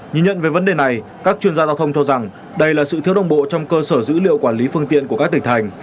nhìn nhận về vấn đề này các chuyên gia giao thông cho rằng đây là sự thiếu đồng bộ trong cơ sở dữ liệu quản lý phương tiện của các tỉnh thành